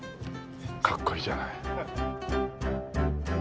かっこいいじゃない。